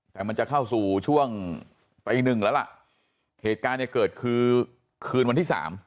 แต่มันจะเข้าสู่ช่วงตีหนึ่งแล้วล่ะเหตุการณ์เนี่ยเกิดคือคืนวันที่สาม